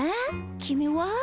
きみは？